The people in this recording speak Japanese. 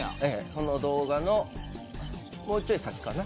その動画のもうちょい先かな？